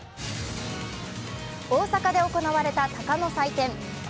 大阪で行われた鷹の祭典。